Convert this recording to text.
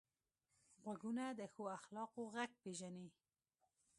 غوږونه د ښو اخلاقو غږ پېژني